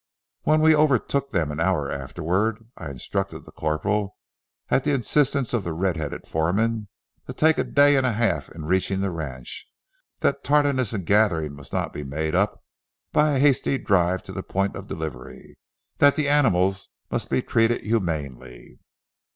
When we overtook them an hour afterward, I instructed the corporal, at the instance of the red headed foreman, to take a day and a half in reaching the ranch; that tardiness in gathering must not be made up by a hasty drive to the point of delivery; that the animals must be treated humanely.